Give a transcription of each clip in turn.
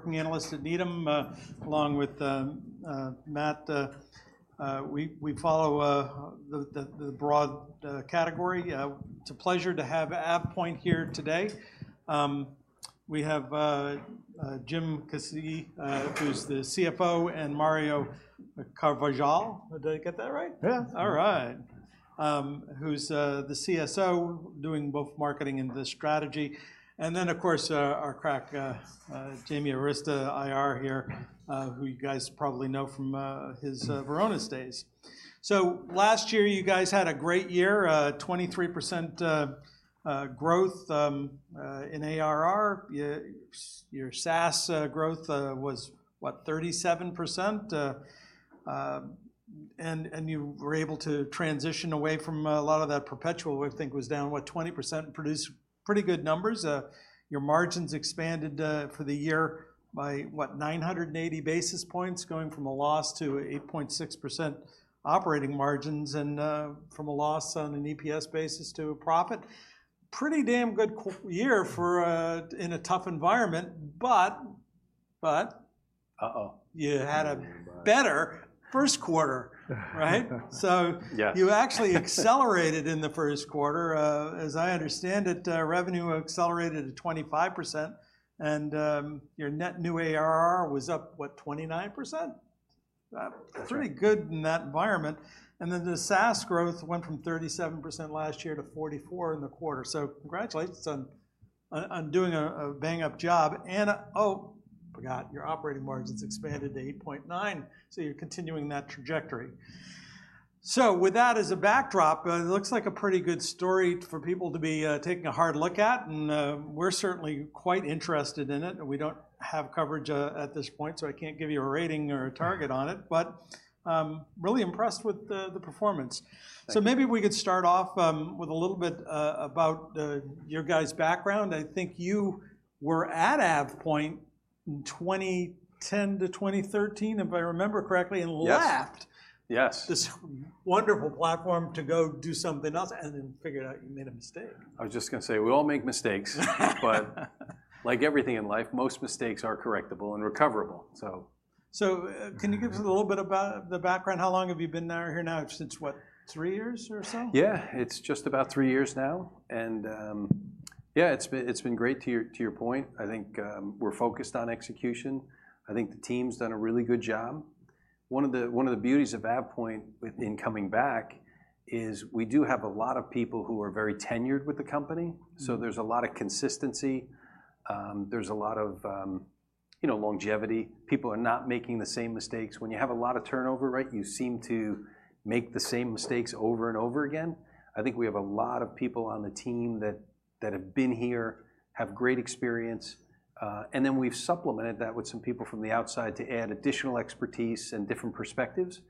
networking analyst at Needham. Along with Matt, we follow the broad category. It's a pleasure to have AvePoint here today. We have Jim Caci, who's the CFO, and Mario Carvajal. Did I get that right? Yeah. All right. Who's the CSO, doing both marketing and the strategy. And then, of course, our crack James Arestia, IR here, who you guys probably know from his Varonis days. So last year, you guys had a great year, 23% growth in ARR. Your SaaS growth was, what, 37%? And you were able to transition away from a lot of that perpetual, which I think was down, what, 20%, and produce pretty good numbers. Your margins expanded for the year by, what, 980 basis points, going from a loss to 8.6% operating margins and from a loss on an EPS basis to a profit. Pretty damn good year for in a tough environment. But, Uh-oh. You had a better first quarter, right? Yeah. You actually accelerated in the first quarter. As I understand it, revenue accelerated to 25%, and your net new ARR was up, what, 29%? That's right. Pretty good in that environment. Then the SaaS growth went from 37% last year to 44% in the quarter. So congratulations on doing a bang-up job. Oh, forgot, your operating margins expanded to 8.9%, so you're continuing that trajectory. So with that as a backdrop, it looks like a pretty good story for people to be taking a hard look at, and we're certainly quite interested in it. We don't have coverage at this point, so I can't give you a rating or a target on it, but I'm really impressed with the performance. Thank you. So maybe we could start off with a little bit about your guys' background. I think you were at AvePoint in 2010 to 2013, if I remember correctly, and left- Yes. Yes ...this wonderful platform to go do something else, and then figured out you made a mistake. I was just gonna say, we all make mistakes. But like everything in life, most mistakes are correctable and recoverable, so. So, can you give us a little bit about the background? How long have you been now, here now, since what, three years or so? Yeah, it's just about three years now. Yeah, it's been, it's been great. To your, to your point, I think, we're focused on execution. I think the team's done a really good job. One of the, one of the beauties of AvePoint with in coming back is we do have a lot of people who are very tenured with the company. Mm-hmm. There's a lot of consistency, there's a lot of, you know, longevity. People are not making the same mistakes. When you have a lot of turnover, right, you seem to make the same mistakes over and over again. I think we have a lot of people on the team that have been here, have great experience, and then we've supplemented that with some people from the outside to add additional expertise and different perspectives,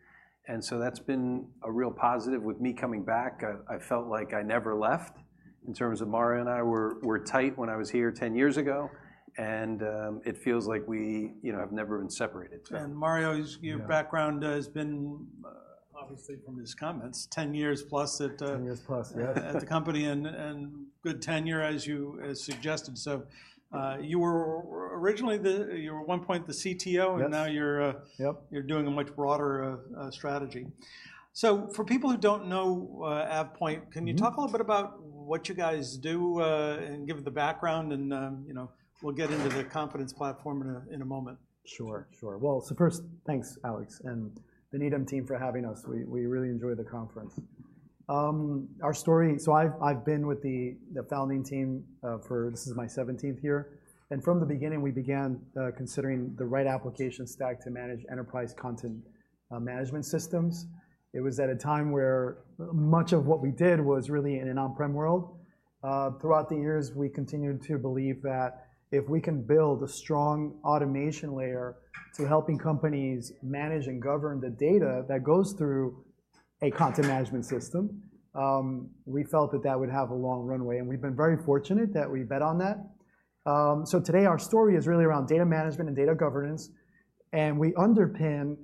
and so that's been a real positive. With me coming back, I felt like I never left in terms of Mario and I were tight when I was here 10 years ago, and it feels like we, you know, have never been separated. And Mario's- Yeah... your background has been, obviously, from his comments, ten years plus at, 10 years plus, yeah... at the company and good tenure, as you suggested. So, you were originally the, you were at one point the CTO- Yes... and now you're Yep... you're doing a much broader strategy. So for people who don't know, AvePoint- Mm-hmm... can you talk a little bit about what you guys do, and give the background and, you know, we'll get into the Confidence Platform in a moment. Sure, sure. Well, so first, thanks, Alex and the Needham team for having us. We really enjoy the conference. Our story, so I've been with the founding team for... This is my seventeenth year, and from the beginning, we began considering the right application stack to manage enterprise content management systems. It was at a time where much of what we did was really in an on-prem world. Throughout the years, we continued to believe that if we can build a strong automation layer to helping companies manage and govern the data that goes through a content management system, we felt that that would have a long runway, and we've been very fortunate that we bet on that. So today our story is really around data management and data governance, and we underpin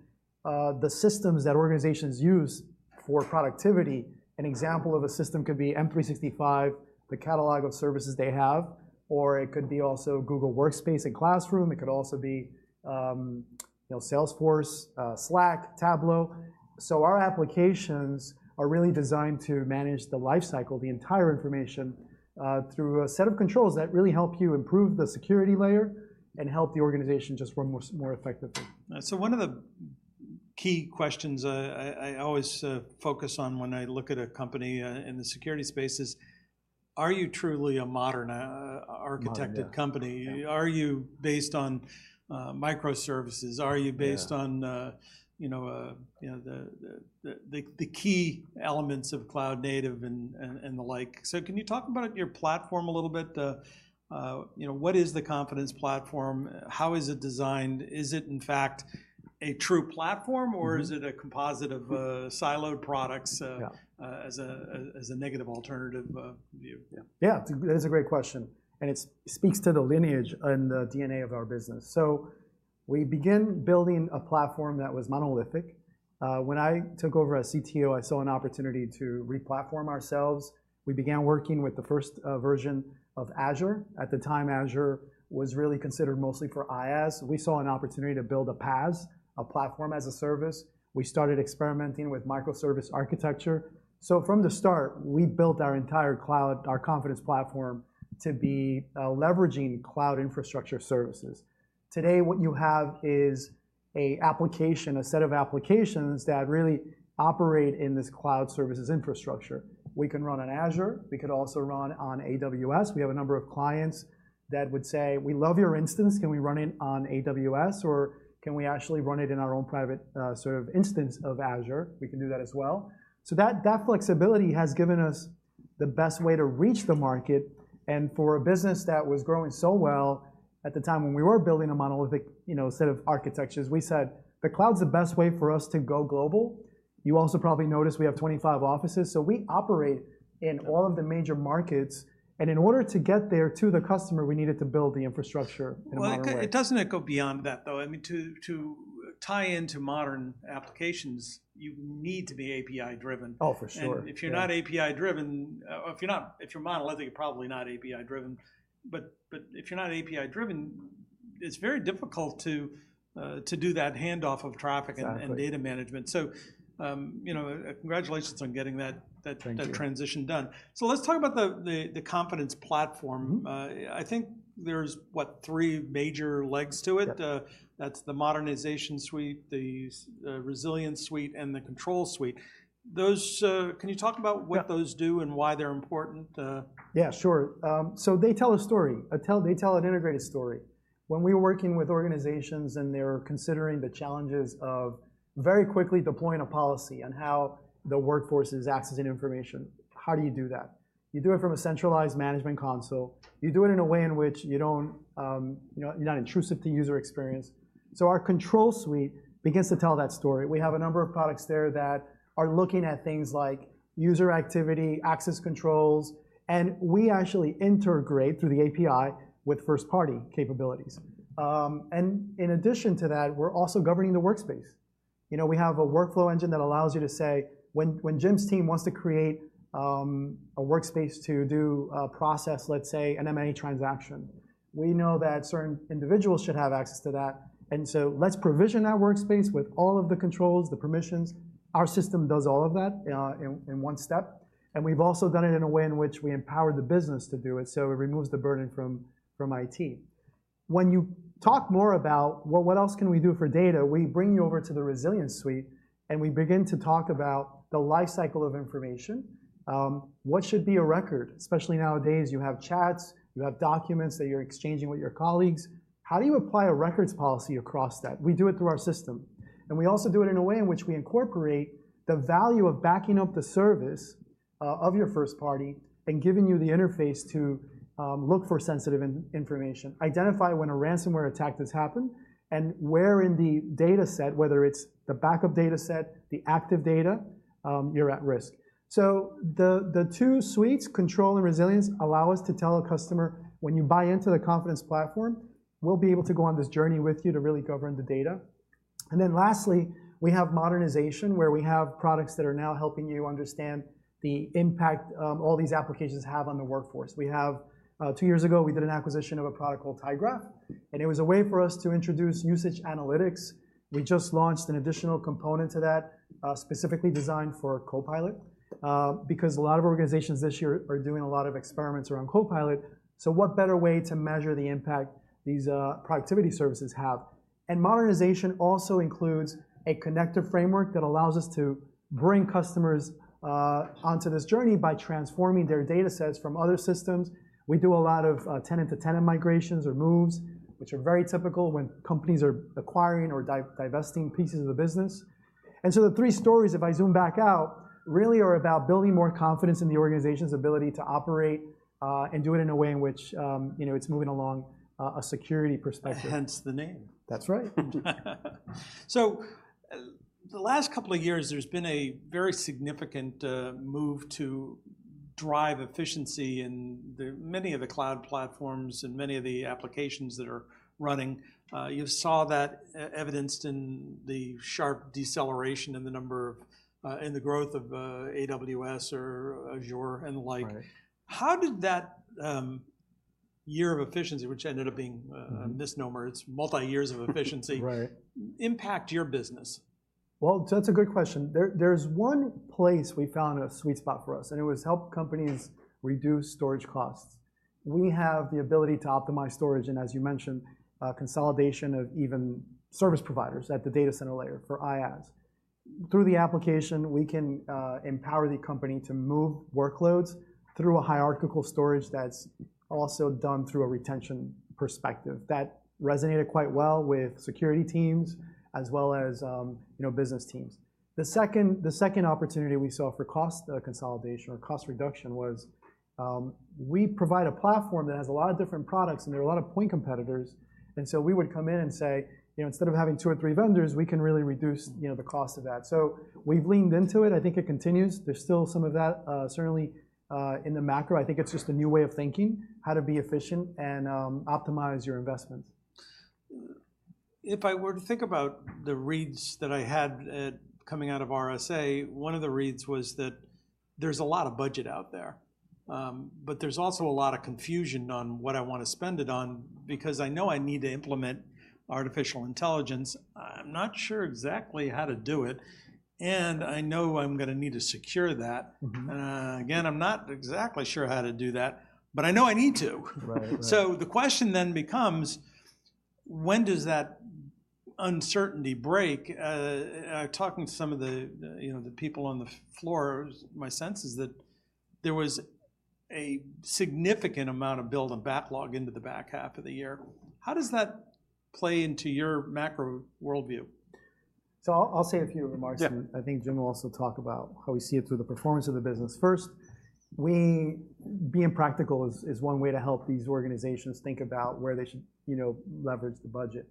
the systems that organizations use for productivity. An example of a system could be M365, the catalog of services they have, or it could be also Google Workspace and Classroom. It could also be, you know, Salesforce, Slack, Tableau. So our applications are really designed to manage the life cycle, the entire information, through a set of controls that really help you improve the security layer and help the organization just run more, more effectively. So one of the key questions I always focus on when I look at a company in the security space is, are you truly a modern architected company? Modern, yeah. Are you based on microservices? Yeah. Are you based on, you know, the key elements of Cloud Native and the like? So can you talk about your platform a little bit? You know, what is the Confidence Platform? How is it designed? Is it in fact a true platform? Mm-hmm... or is it a composite of siloed products? Yeah... as a negative alternative view? Yeah. Yeah, that is a great question, and it speaks to the lineage and the DNA of our business. So we began building a platform that was monolithic. When I took over as CTO, I saw an opportunity to re-platform ourselves. We began working with the first version of Azure. At the time, Azure was really considered mostly for IaaS. We saw an opportunity to build a PaaS, a platform as a service. We started experimenting with microservice architecture. So from the start, we built our entire cloud, our Confidence Platform, to be leveraging cloud infrastructure services. Today, what you have is a application, a set of applications that really operate in this cloud services infrastructure. We can run on Azure, we could also run on AWS. We have a number of clients that would say: "We love your instance, can we run it on AWS, or can we actually run it in our own private, sort of instance of Azure?" We can do that as well. So that, that flexibility has given us the best way to reach the market. And for a business that was growing so well at the time when we were building a monolithic, you know, set of architectures, we said, "The cloud's the best way for us to go global." You also probably noticed we have 25 offices, so we operate in all of the major markets, and in order to get there to the customer, we needed to build the infrastructure in a modern way. Well, doesn't it go beyond that, though? I mean, to tie into modern applications, you need to be API driven. Oh, for sure. If you're not API driven, if you're monolithic, you're probably not API driven, but if you're not API driven, it's very difficult to do that handoff of traffic- Exactly... and data management. So, you know, congratulations on getting that. Thank you... that transition done. So let's talk about the Confidence Platform. Mm-hmm. I think there's, what, three major legs to it? Yep. That's the Modernization Suite, the Resilience Suite, and the Control Suite. Those... Can you talk about- Yeah... what those do and why they're important? Yeah, sure. So they tell an integrated story. When we were working with organizations and they were considering the challenges of very quickly deploying a policy on how the workforce is accessing information, how do you do that? You do it from a centralized management console. You do it in a way in which you don't, you know, you're not intrusive to user experience. So our Control Suite begins to tell that story. We have a number of products there that are looking at things like user activity, access controls, and we actually integrate through the API with first-party capabilities. And in addition to that, we're also governing the workspace. You know, we have a workflow engine that allows you to say, when Jim's team wants to create a workspace to do a process, let's say, an M&A transaction, we know that certain individuals should have access to that. And so let's provision that workspace with all of the controls, the permissions. Our system does all of that in one step, and we've also done it in a way in which we empower the business to do it, so it removes the burden from IT. When you talk more about, Well, what else can we do for data? We bring you over to the Resilience Suite, and we begin to talk about the life cycle of information. What should be a record? Especially nowadays, you have chats, you have documents that you're exchanging with your colleagues. How do you apply a records policy across that? We do it through our system, and we also do it in a way in which we incorporate the value of backing up the service of your first party and giving you the interface to look for sensitive information, identify when a ransomware attack has happened, and where in the data set, whether it's the backup data set, the active data, you're at risk. So the two suites, Control and Resilience, allow us to tell a customer: When you buy into the Confidence Platform, we'll be able to go on this journey with you to really govern the data. And then lastly, we have Modernization, where we have products that are now helping you understand the impact all these applications have on the workforce. We have two years ago, we did an acquisition of a product called tyGraph, and it was a way for us to introduce usage analytics. We just launched an additional component to that, specifically designed for Copilot, because a lot of organizations this year are doing a lot of experiments around Copilot. So what better way to measure the impact these productivity services have? And modernization also includes a connective framework that allows us to bring customers onto this journey by transforming their data sets from other systems. We do a lot of tenant-to-tenant migrations or moves, which are very typical when companies are acquiring or divesting pieces of the business. The three stories, if I zoom back out, really are about building more confidence in the organization's ability to operate, and do it in a way in which, you know, it's moving along a security perspective. Hence, the name. That's right. The last couple of years, there's been a very significant move to drive efficiency in the many of the cloud platforms and many of the applications that are running. You saw that evidenced in the sharp deceleration in the number of, in the growth of, AWS or Azure and the like. Right. How did that year of efficiency, which ended up being- Mm-hmm... a misnomer, it's multi years of efficiency- Right... impact your business? Well, that's a good question. There's one place we found a sweet spot for us, and it was help companies reduce storage costs. We have the ability to optimize storage, and as you mentioned, consolidation of even service providers at the data center layer for IaaS. Through the application, we can empower the company to move workloads through a hierarchical storage that's also done through a retention perspective. That resonated quite well with security teams as well as, you know, business teams. The second, the second opportunity we saw for cost consolidation or cost reduction was, we provide a platform that has a lot of different products, and there are a lot of point competitors, and so we would come in and say: "You know, instead of having two or three vendors, we can really reduce, you know, the cost of that." So we've leaned into it. I think it continues. There's still some of that, certainly in the macro. I think it's just a new way of thinking, how to be efficient and optimize your investments. ... If I were to think about the reads that I had at, coming out of RSA, one of the reads was that there's a lot of budget out there. But there's also a lot of confusion on what I wanna spend it on, because I know I need to implement artificial intelligence. I'm not sure exactly how to do it, and I know I'm gonna need to secure that. Mm-hmm. Again, I'm not exactly sure how to do that, but I know I need to. Right. Right. So the question then becomes: When does that uncertainty break? Talking to some of the, you know, the people on the floor, my sense is that there was a significant amount of build and backlog into the back half of the year. How does that play into your macro worldview? So I'll say a few remarks- Yeah... and I think Jim will also talk about how we see it through the performance of the business. First, being practical is one way to help these organizations think about where they should, you know, leverage the budget.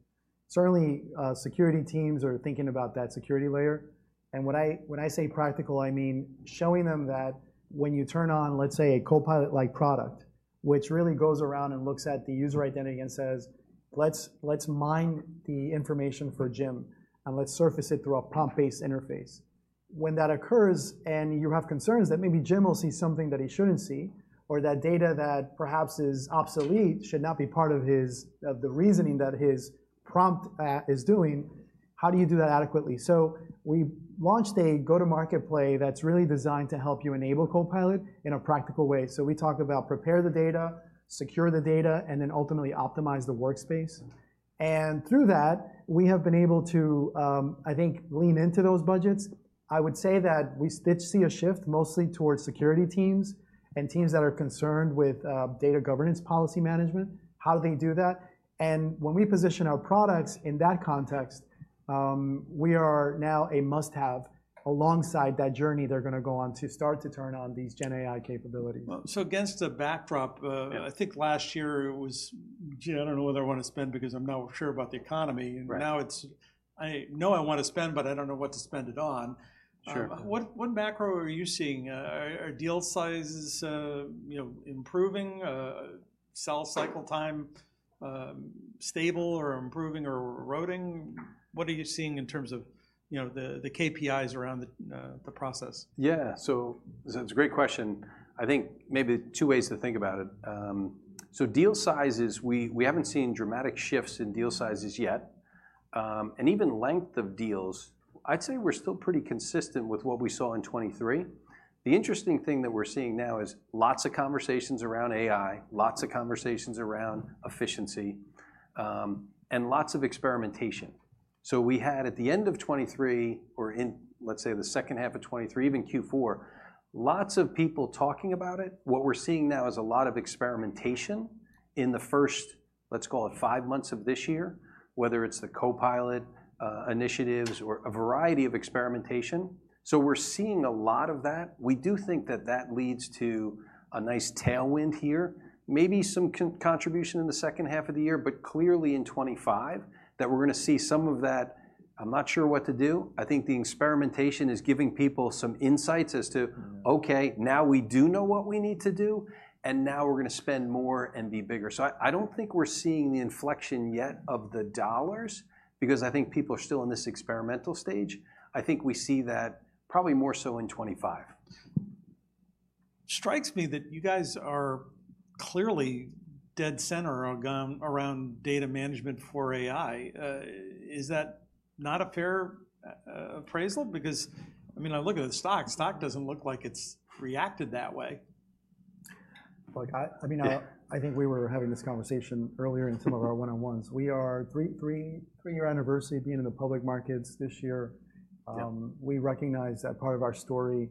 Certainly, security teams are thinking about that security layer, and when I say practical, I mean showing them that when you turn on, let's say, a Copilot-like product, which really goes around and looks at the user identity and says, "Let's mine the information for Jim, and let's surface it through a prompt-based interface." When that occurs, and you have concerns that maybe Jim will see something that he shouldn't see, or that data that perhaps is obsolete should not be part of his, of the reasoning that his prompt is doing, how do you do that adequately? So we launched a go-to-market play that's really designed to help you enable Copilot in a practical way. We talk about prepare the data, secure the data, and then ultimately optimize the workspace, and through that, we have been able to, I think, lean into those budgets. I would say that we did see a shift mostly towards security teams and teams that are concerned with, data governance policy management, how they do that. When we position our products in that context, we are now a must-have alongside that journey they're gonna go on to start to turn on these Gen AI capabilities. Well, against a backdrop, Yeah... I think last year it was, "Gee, I don't know whether I wanna spend because I'm not sure about the economy. Right. Now it's, "I know I wanna spend, but I don't know what to spend it on. Sure. What macro are you seeing? Are deal sizes, you know, improving? Sales cycle time stable or improving or eroding? What are you seeing in terms of, you know, the KPIs around the process? Yeah, so it's a great question. I think maybe two ways to think about it. So deal sizes, we, we haven't seen dramatic shifts in deal sizes yet, and even length of deals, I'd say we're still pretty consistent with what we saw in 2023. The interesting thing that we're seeing now is lots of conversations around AI, lots of conversations around efficiency, and lots of experimentation. So we had at the end of 2023, or in, let's say, the second half of 2023, even Q4, lots of people talking about it. What we're seeing now is a lot of experimentation in the first, let's call it, five months of this year, whether it's the Copilot initiatives or a variety of experimentation. So we're seeing a lot of that. We do think that that leads to a nice tailwind here, maybe some contribution in the second half of the year, but clearly in 2025, that we're gonna see some of that, "I'm not sure what to do." I think the experimentation is giving people some insights as to, "Okay, now we do know what we need to do, and now we're gonna spend more and be bigger." So I, I don't think we're seeing the inflection yet of the dollars because I think people are still in this experimental stage. I think we see that probably more so in 2025. Strikes me that you guys are clearly dead center around data management for AI. Is that not a fair appraisal? Because, I mean, I look at the stock. Stock doesn't look like it's reacted that way. Look, I mean- Yeah... I think we were having this conversation earlier in some of our one-on-ones. We are three, three, three-year anniversary being in the public markets this year. Yeah. We recognize that part of our story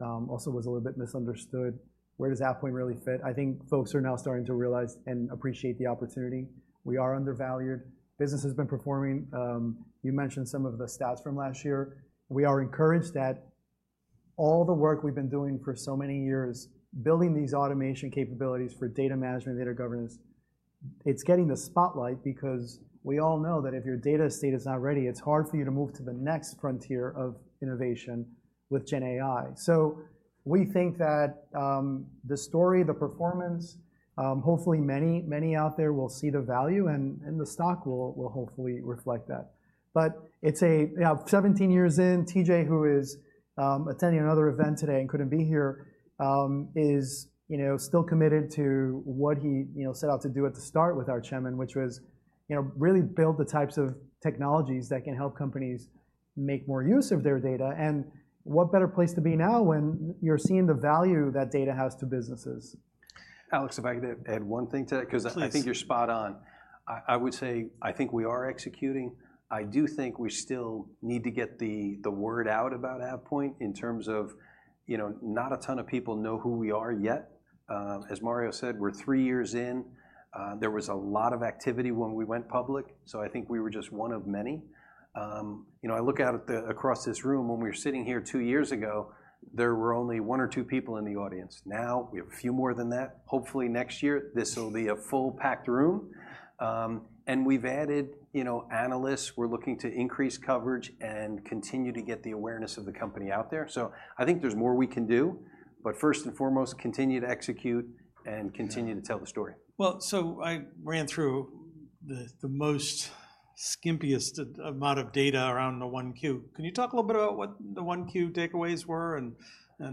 also was a little bit misunderstood. Where does AvePoint really fit? I think folks are now starting to realize and appreciate the opportunity. We are undervalued. Business has been performing. You mentioned some of the stats from last year. We are encouraged that all the work we've been doing for so many years, building these automation capabilities for data management, data governance, it's getting the spotlight because we all know that if your data estate is not ready, it's hard for you to move to the next frontier of innovation with Gen AI. So we think that the story, the performance, hopefully many, many out there will see the value, and, and the stock will, will hopefully reflect that. But it's a, you know, 17 years in, TJ, who is attending another event today and couldn't be here, is, you know, still committed to what he, you know, set out to do at the start with our chairman, which was, you know, really build the types of technologies that can help companies make more use of their data. And what better place to be now when you're seeing the value that data has to businesses? Alex, if I could add one thing to that- Please... 'cause I think you're spot on. I would say, I think we are executing. I do think we still need to get the word out about AvePoint in terms of, you know, not a ton of people know who we are yet. As Mario said, we're three years in. There was a lot of activity when we went public, so I think we were just one of many. You know, I look out across this room, when we were sitting here two years ago, there were only one or two people in the audience. Now, we have a few more than that. Hopefully, next year, this will be a full-packed room. And we've added, you know, analysts. We're looking to increase coverage and continue to get the awareness of the company out there. So I think there's more we can do, but first and foremost, continue to execute and continue- Yeah... to tell the story. Well, so I ran through the most skimpiest amount of data around the 1Q. Can you talk a little bit about what the 1Q takeaways were, and- Yeah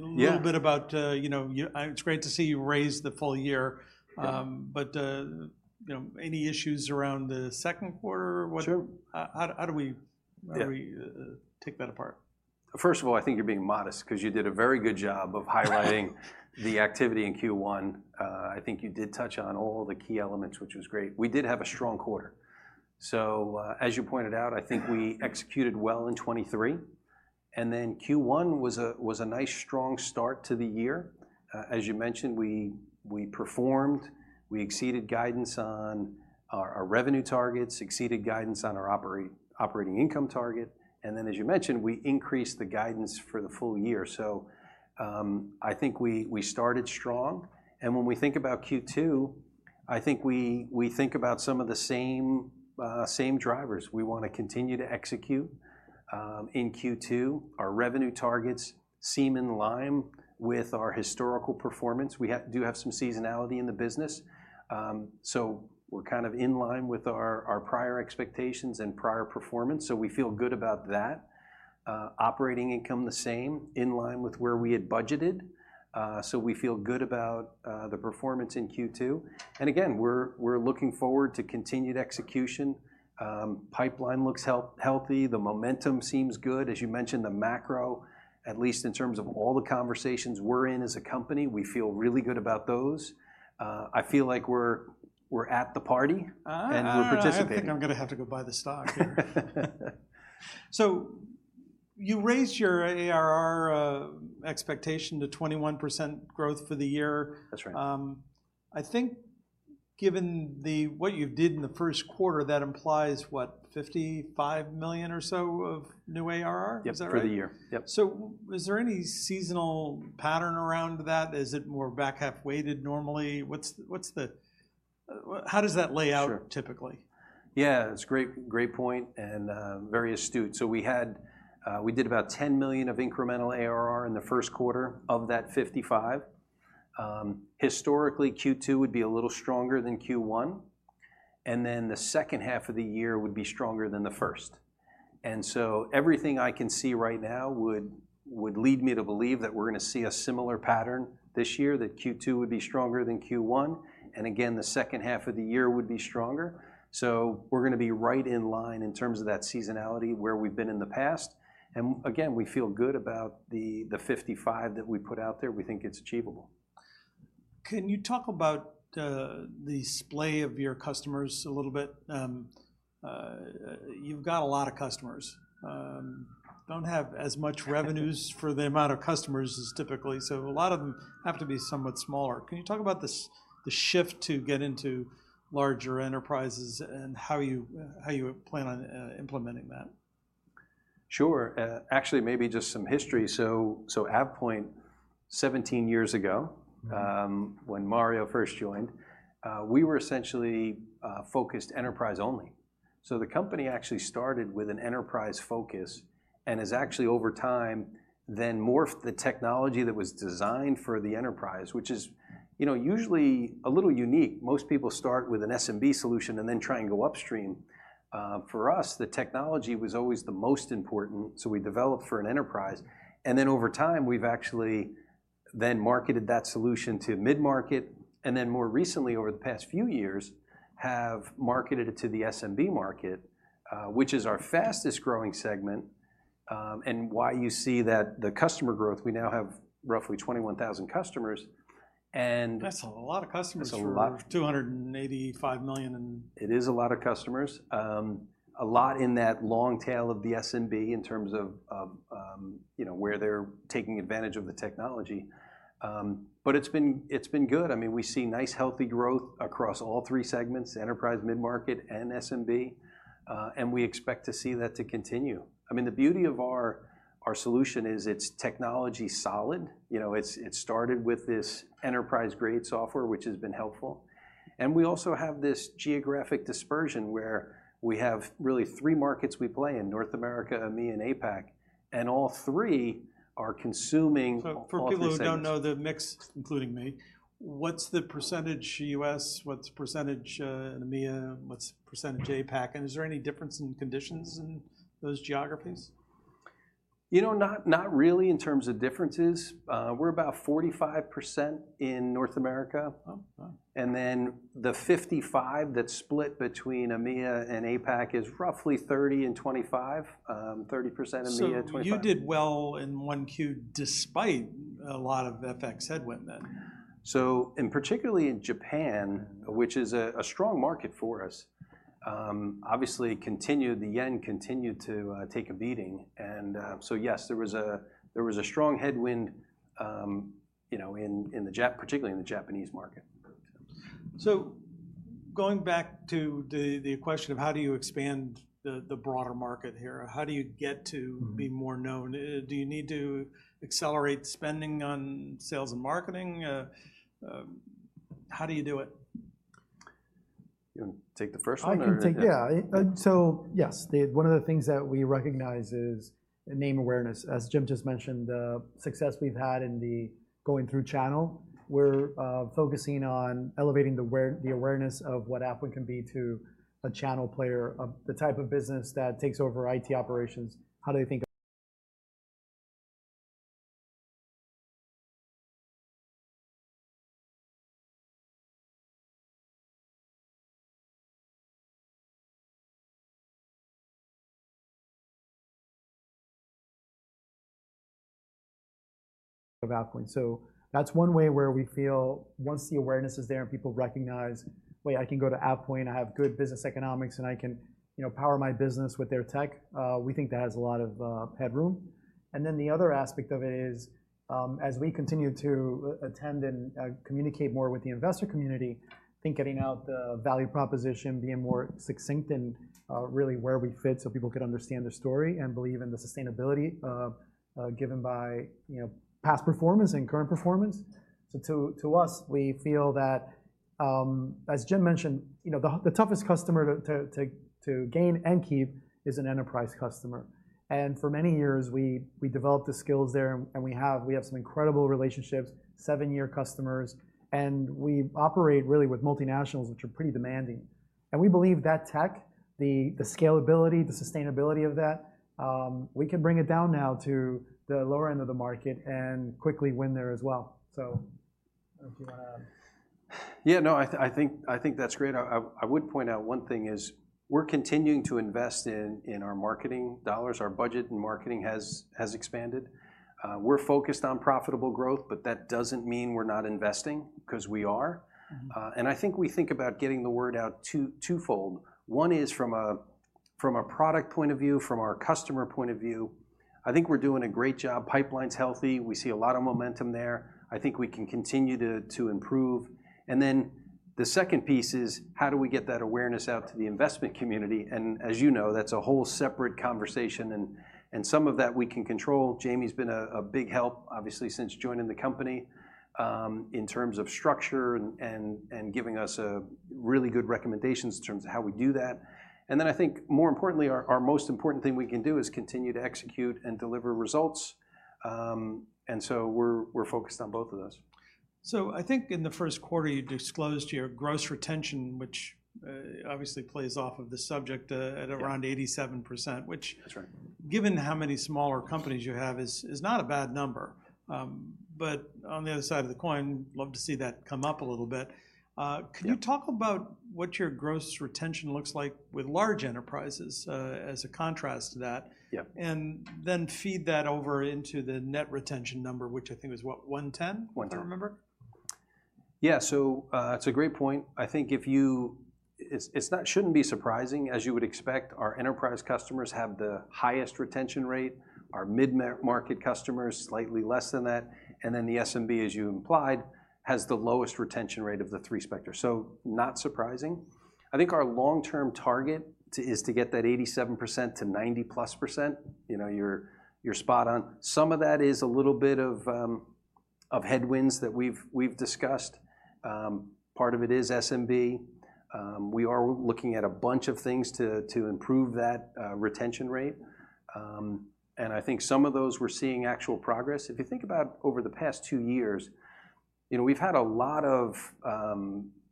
A little bit about, you know, it's great to see you raise the full year. Yeah. But, you know, any issues around the second quarter, or what? Sure. How do we- Yeah... how do we take that apart? First of all, I think you're being modest, 'cause you did a very good job of highlighting the activity in Q1. I think you did touch on all the key elements, which was great. We did have a strong quarter. So, as you pointed out, I think we executed well in 2023, and then Q1 was a nice, strong start to the year. As you mentioned, we performed, we exceeded guidance on our revenue targets, exceeded guidance on our operating income target, and then, as you mentioned, we increased the guidance for the full year. So, I think we started strong, and when we think about Q2, I think we think about some of the same drivers. We wanna continue to execute. In Q2, our revenue targets seem in line with our historical performance. We do have some seasonality in the business. So we're kind of in line with our prior expectations and prior performance, so we feel good about that. Operating income, the same, in line with where we had budgeted. So we feel good about the performance in Q2. And again, we're looking forward to continued execution. Pipeline looks healthy. The momentum seems good. As you mentioned, the macro, at least in terms of all the conversations we're in as a company, we feel really good about those. I feel like we're at the party- Ah! And we're participating. I think I'm gonna have to go buy the stock. So you raised your ARR expectation to 21% growth for the year. That's right. I think, given what you did in the first quarter, that implies, what, $55 million or so of new ARR? Yep. Is that right? For the year. Yep. So is there any seasonal pattern around that? Is it more back half weighted normally? What's the- how does that lay out- Sure... typically? Yeah, it's great, great point, and very astute. So we had- we did about $10 million of incremental ARR in the first quarter of that $55. Historically, Q2 would be a little stronger than Q1, and then the second half of the year would be stronger than the first. And so everything I can see right now would, would lead me to believe that we're gonna see a similar pattern this year, that Q2 would be stronger than Q1, and again, the second half of the year would be stronger. So we're gonna be right in line in terms of that seasonality, where we've been in the past. And again, we feel good about the, the $55 that we put out there. We think it's achievable. Can you talk about the spread of your customers a little bit? You've got a lot of customers. Don't have as much revenues for the amount of customers as typically, so a lot of them have to be somewhat smaller. Can you talk about the shift to get into larger enterprises and how you how you plan on implementing that? Sure. Actually, maybe just some history. So, so AvePoint, 17 years ago-... when Mario first joined, we were essentially focused enterprise only. So the company actually started with an enterprise focus and has actually, over time, then morphed the technology that was designed for the enterprise, which is, you know, usually a little unique. Most people start with an SMB solution and then try and go upstream. For us, the technology was always the most important, so we developed for an enterprise, and then, over time, we've actually then marketed that solution to mid-market, and then more recently, over the past few years, have marketed it to the SMB market, which is our fastest-growing segment, and why you see that the customer growth, we now have roughly 21,000 customers, and- That's a lot of customers- It's a lot.... for $285 million and- It is a lot of customers. A lot in that long tail of the SMB in terms of, you know, where they're taking advantage of the technology. But it's been, it's been good. I mean, we see nice, healthy growth across all three segments: enterprise, mid-market, and SMB. And we expect to see that to continue. I mean, the beauty of our, our solution is it's technology solid. You know, it's, it started with this enterprise-grade software, which has been helpful, and we also have this geographic dispersion, where we have really three markets we play in: North America, EMEA, and APAC, and all three are consuming all three segments. So for people who don't know the mix, including me, what's the percentage US, what's percentage EMEA, what's percentage APAC, and is there any difference in conditions in those geographies? You know, not really in terms of differences. We're about 45% in North America. Oh, wow! And then the 55 that's split between EMEA and APAC is roughly 30 and 25, 30% EMEA and 25%- You did well in one Q, despite a lot of FX headwind, then? Particularly in Japan, which is a strong market for us, obviously the yen continued to take a beating, and so yes, there was a strong headwind, you know, particularly in the Japanese market. So going back to the question of: How do you expand the broader market here? How do you get to- Mm-hmm... be more known? Do you need to accelerate spending on sales and marketing? How do you do it? ... You want take the first one or take- I can take, yeah. So yes, one of the things that we recognize is name awareness. As Jim just mentioned, the success we've had in the going through channel, we're focusing on elevating the awareness of what AvePoint can be to a channel player, of the type of business that takes over IT operations. How do they think of AvePoint? So that's one way where we feel once the awareness is there and people recognize, "Wait, I can go to AvePoint, I have good business economics, and I can, you know, power my business with their tech," we think that has a lot of headroom. And then the other aspect of it is, as we continue to attend and communicate more with the investor community, I think getting out the value proposition, being more succinct and really where we fit so people can understand the story and believe in the sustainability of, given by, you know, past performance and current performance. So to us, we feel that, as Jim mentioned, you know, the toughest customer to gain and keep is an enterprise customer. And for many years, we developed the skills there, and we have some incredible relationships, seven-year customers, and we operate really with multinationals, which are pretty demanding. We believe that tech, the scalability, the sustainability of that, we can bring it down now to the lower end of the market and quickly win there as well. So if you wanna... Yeah, no, I think that's great. I would point out one thing, is we're continuing to invest in our marketing dollars. Our budget and marketing has expanded. We're focused on profitable growth, but that doesn't mean we're not investing, 'cause we are. Mm-hmm. And I think we think about getting the word out twofold. One is from a product point of view, from our customer point of view. I think we're doing a great job. Pipeline's healthy. We see a lot of momentum there. I think we can continue to improve. And then the second piece is, how do we get that awareness out to the investment community? And as you know, that's a whole separate conversation, and some of that we can control. Jamie's been a big help, obviously, since joining the company, in terms of structure and giving us really good recommendations in terms of how we do that. And then I think more importantly, our most important thing we can do is continue to execute and deliver results. And so we're focused on both of those. So I think in the first quarter, you disclosed your gross retention, which obviously plays off of the subject at around- Yeah... 87%, which- That's right -given how many smaller companies you have, is not a bad number. But on the other side of the coin, love to see that come up a little bit. Yeah Can you talk about what your gross retention looks like with large enterprises, as a contrast to that? Yeah. And then feed that over into the net retention number, which I think was what? 110%? One ten. If I remember. Yeah. So that's a great point. I think it shouldn't be surprising. As you would expect, our enterprise customers have the highest retention rate, our mid-market customers, slightly less than that, and then the SMB, as you implied, has the lowest retention rate of the three spectra. So not surprising. I think our long-term target is to get that 87% to 90%+. You know, you're spot on. Some of that is a little bit of headwinds that we've discussed. Part of it is SMB. We are looking at a bunch of things to improve that retention rate. And I think some of those we're seeing actual progress. If you think about over the past two years, you know, we've had a lot of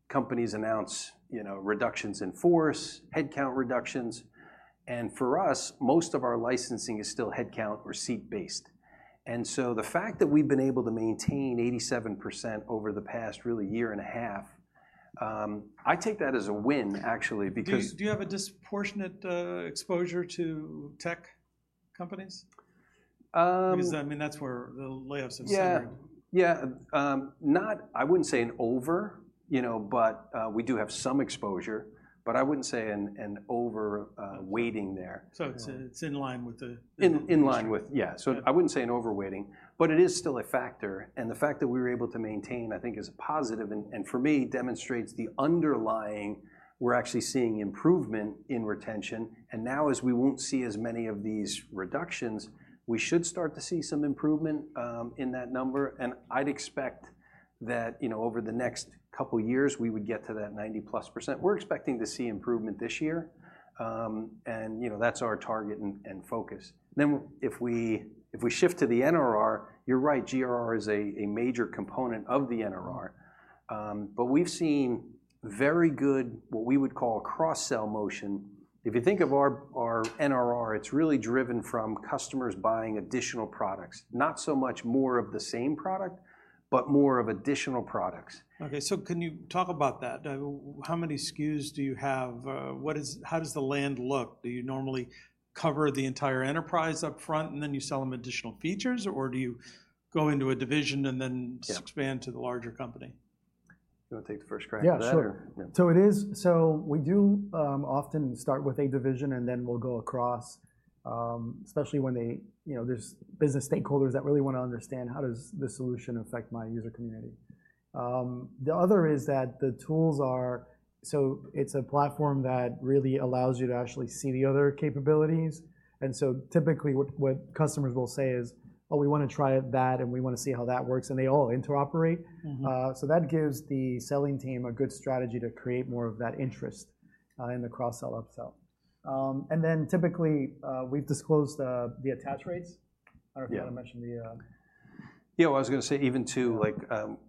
companies announce, you know, reductions in force, headcount reductions, and for us, most of our licensing is still headcount or seat-based. And so the fact that we've been able to maintain 87% over the past, really, year and a half, I take that as a win, actually, because- Do you have a disproportionate exposure to tech companies? Um- Because, I mean, that's where the layoffs have centered. Yeah. Yeah, not, I wouldn't say an over, you know, but, we do have some exposure, but I wouldn't say an, an over- Okay... weighting there. So it's in line with the- In line with, yeah. Yeah. So I wouldn't say an overweighting, but it is still a factor, and the fact that we were able to maintain, I think is a positive, and, and for me, demonstrates the underlying... We're actually seeing improvement in retention. And now, as we won't see as many of these reductions, we should start to see some improvement in that number. And I'd expect that, you know, over the next couple of years, we would get to that 90%+. We're expecting to see improvement this year. And, you know, that's our target and, and focus. Then, if we, if we shift to the NRR, you're right, GRR is a, a major component of the NRR. But we've seen very good, what we would call a cross-sell motion. If you think of our, our NRR, it's really driven from customers buying additional products, not so much more of the same product, but more of additional products. Okay, so can you talk about that? How many SKUs do you have? What is... How does the land look? Do you normally cover the entire enterprise up front, and then you sell them additional features, or do you go into a division and then- Yeah... expand to the larger company? You want to take the first crack at that, or- Yeah, sure. Yeah. We often start with a division, and then we'll go across, especially when they, you know, there's business stakeholders that really want to understand, "How does this solution affect my user community?" The other is that the tools are... So it's a platform that really allows you to actually see the other capabilities. And so typically, what customers will say is, "Well, we want to try out that, and we want to see how that works," and they all interoperate. Mm-hmm. So that gives the selling team a good strategy to create more of that interest in the cross-sell, upsell. And then typically, we've disclosed the attach rates. Yeah. I don't know if you wanna mention the, Yeah, I was gonna say even, too, like,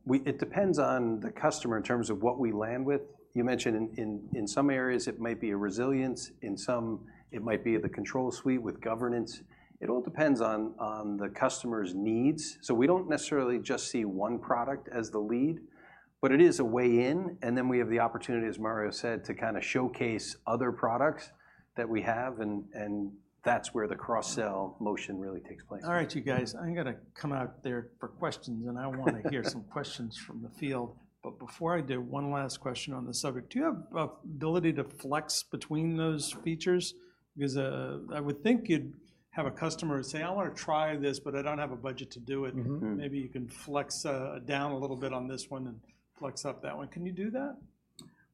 we-- it depends on the customer in terms of what we land with. You mentioned in some areas, it might be a resilience, in some, it might be the control suite with governance. It all depends on the customer's needs. So we don't necessarily just see one product as the lead, but it is a way in, and then we have the opportunity, as Mario said, to kinda showcase other products that we have, and that's where the cross-sell motion really takes place. All right, you guys, I'm gonna come out there for questions, and I wanna hear some questions from the field. But before I do, one last question on this subject: Do you have ability to flex between those features? Because, I would think you'd have a customer say, "I wanna try this, but I don't have a budget to do it. Mm-hmm. Mm-hmm. Maybe you can flex down a little bit on this one and flex up that one." Can you do that?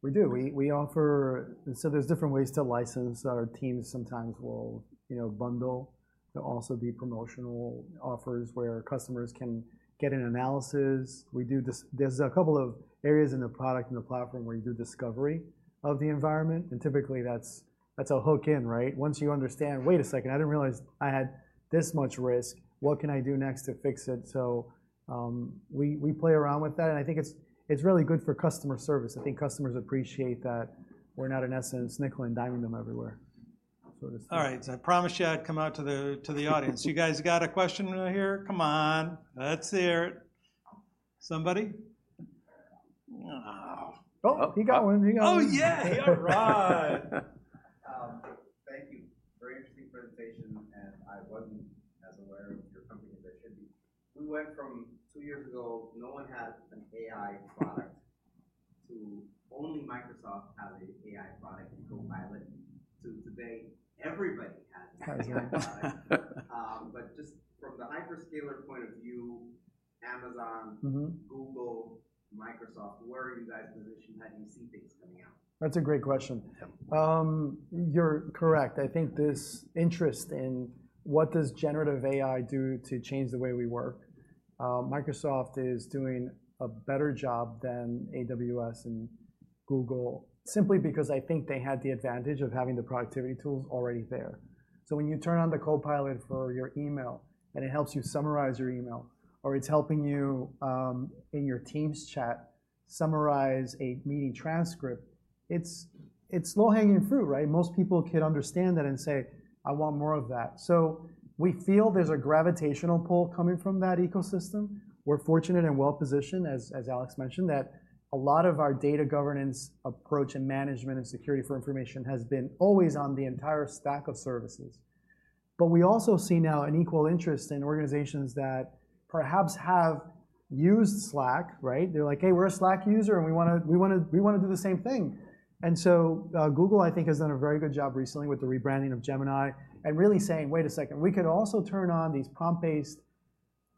We do. We offer... So there's different ways to license. Our teams sometimes will, you know, bundle. There'll also be promotional offers where customers can get an analysis. We do discovery. There's a couple of areas in the product, in the platform, where you do discovery of the environment, and typically, that's a hook in, right? Once you understand, "Wait a second, I didn't realize I had this much risk. What can I do next to fix it?" So, we play around with that, and I think it's really good for customer service. I think customers appreciate that we're not, in essence, nickel-and-diming them everywhere, so to say. All right, I promised you I'd come out to the, to the audience. You guys got a question out here? Come on, let's hear it. Somebody? Oh. Oh, he got one. He got one. Oh, yeah! All right. Thank you. Very interesting presentation, and I wasn't as aware of your company as I should be. We went from two years ago, no one had an AI product, to only Microsoft had an AI product in Copilot, to today, everybody has an AI product. But just from the hyperscaler point of view, Amazon... Google, Microsoft, where are you guys positioned? How do you see things coming out? That's a great question. Yeah. You're correct, I think this interest in what does generative AI do to change the way we work? Microsoft is doing a better job than AWS and Google, simply because I think they had the advantage of having the productivity tools already there. So when you turn on the Copilot for your email, and it helps you summarize your email, or it's helping you in your Teams chat, summarize a meeting transcript, it's low-hanging fruit, right? Most people could understand that and say, "I want more of that." So we feel there's a gravitational pull coming from that ecosystem. We're fortunate and well-positioned, as Alex mentioned, that a lot of our data governance approach and management and security for information has been always on the entire stack of services. But we also see now an equal interest in organizations that perhaps have used Slack, right? They're like: "Hey, we're a Slack user, and we wanna, we wanna, we wanna do the same thing." And so, Google, I think, has done a very good job recently with the rebranding of Gemini and really saying: Wait a second, we could also turn on these prompt-based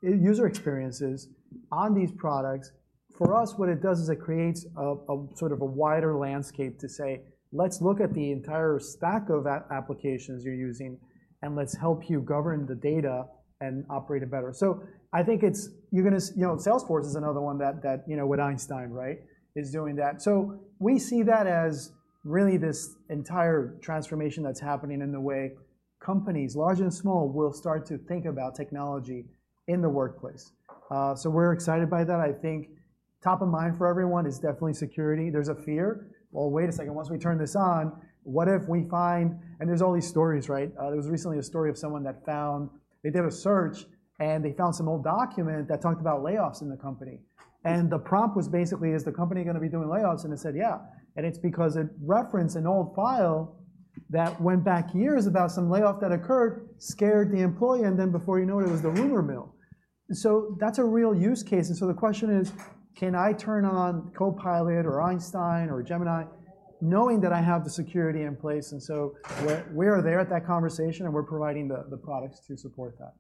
user experiences on these products. For us, what it does is it creates a sort of a wider landscape to say, "Let's look at the entire stack of applications you're using, and let's help you govern the data and operate it better." So I think it's. You're gonna see. You know, Salesforce is another one that, you know, with Einstein, right, is doing that. So we see that as really this entire transformation that's happening in the way companies, large and small, will start to think about technology in the workplace. So we're excited by that. I think top of mind for everyone is definitely security. There's a fear. "Well, wait a second, once we turn this on, what if we find..." And there's all these stories, right? There was recently a story of someone that found—they did a search, and they found some old document that talked about layoffs in the company. And the prompt was basically, "Is the company gonna be doing layoffs?" And it said, "Yeah," and it's because it referenced an old file that went back years about some layoff that occurred, scared the employee, and then before you know it, it was the rumor mill. And so that's a real use case. And so the question is: Can I turn on Copilot or Einstein or Gemini, knowing that I have the security in place? So we are there at that conversation, and we're providing the products to support that.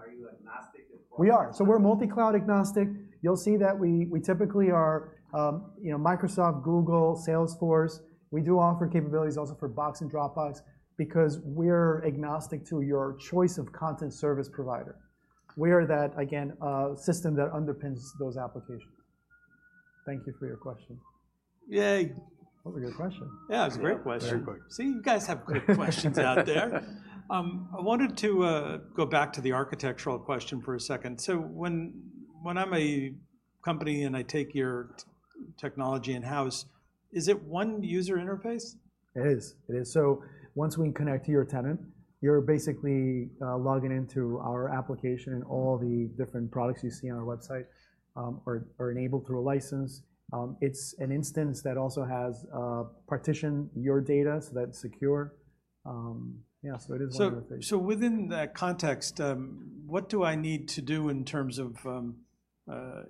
Are you agnostic as far as? We are. So we're multi-cloud agnostic. You'll see that we typically are, you know, Microsoft, Google, Salesforce. We do offer capabilities also for Box and Dropbox because we're agnostic to your choice of content service provider. We are that, again, system that underpins those applications. Thank you for your question. Yay! That was a good question. Yeah, it was a great question. Very good. See, you guys have great questions out there. I wanted to go back to the architectural question for a second. So when I'm a company, and I take your technology in-house, is it one user interface? It is. It is. So once we connect to your tenant, you're basically logging into our application, and all the different products you see on our website are enabled through a license. It's an instance that also has partition your data, so that's secure. Yeah, so it is one interface. So within that context, what do I need to do in terms of,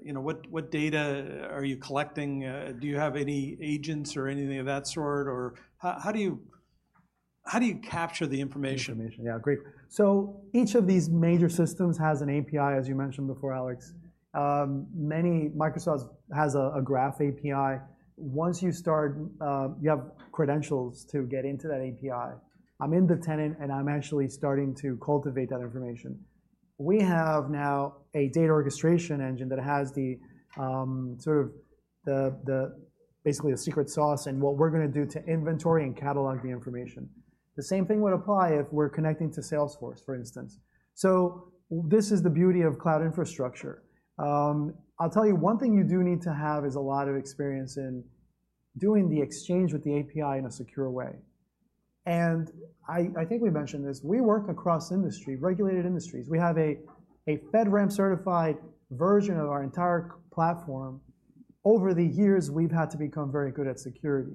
you know, what data are you collecting? Do you have any agents or anything of that sort, or how do you capture the information? Information, yeah, great. So each of these major systems has an API, as you mentioned before, Alex. Microsoft has a Graph API. Once you start, you have credentials to get into that API. I'm in the tenant, and I'm actually starting to cultivate that information. We have now a data orchestration engine that has basically a secret sauce in what we're gonna do to inventory and catalog the information. The same thing would apply if we're connecting to Salesforce, for instance. So this is the beauty of cloud infrastructure. I'll tell you one thing you do need to have is a lot of experience in doing the exchange with the API in a secure way. And I think we mentioned this, we work across industry, regulated industries. We have a FedRAMP-certified version of our entire platform. Over the years, we've had to become very good at security.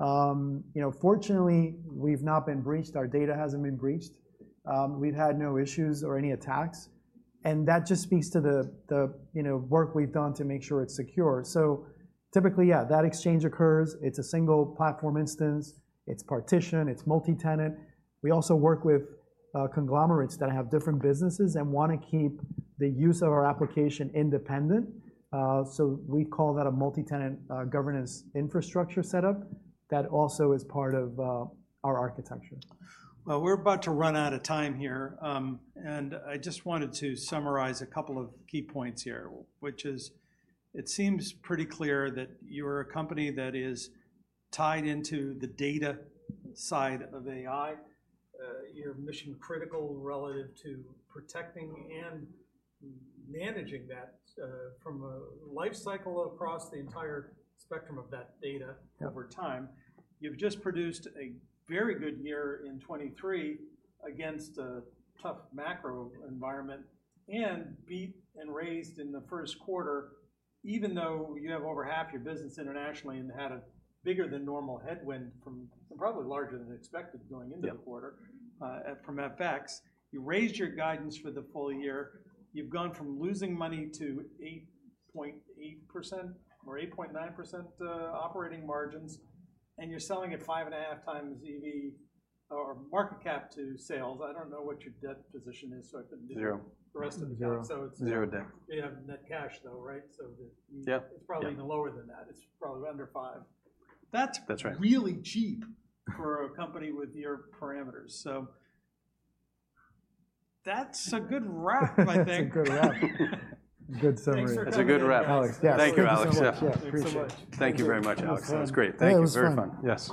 You know, fortunately, we've not been breached. Our data hasn't been breached. We've had no issues or any attacks, and that just speaks to the you know, work we've done to make sure it's secure. So typically, yeah, that exchange occurs. It's a single platform instance, it's partitioned, it's multi-tenant. We also work with conglomerates that have different businesses and wanna keep the use of our application independent. So we call that a multi-tenant governance infrastructure setup. That also is part of our architecture. Well, we're about to run out of time here. I just wanted to summarize a couple of key points here, which is, it seems pretty clear that you are a company that is tied into the data side of AI. You're mission-critical relative to protecting and managing that, from a life cycle across the entire spectrum of that data- Yeah -over time. You've just produced a very good year in 2023 against a tough macro environment and beat and raised in the first quarter, even though you have over half your business internationally and had a bigger than normal headwind from, and probably larger than expected going into- Yeah -the quarter, from FX. You raised your guidance for the full year. You've gone from losing money to 8.8% or 8.9% operating margins, and you're selling at 5.5x EV or market cap to sales. I don't know what your debt position is, so I couldn't- Zero. The rest of the- Zero. So it's- Zero debt. You have net cash, though, right? So the- Yep. It's probably even lower than that. It's probably under five. That's- That's right Really cheap for a company with your parameters. So that's a good wrap, I think. That's a good wrap. Good summary. It's a good wrap. Alex, yes. Thank you, Alex. Yeah. Yeah, appreciate it. Thank you very much, Alex. That was great. Yeah, it was fun. Thank you. Very fun. Yes.